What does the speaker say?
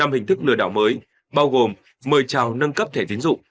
năm hình thức lừa đảo mới bao gồm mời trào nâng cấp thẻ tín dụng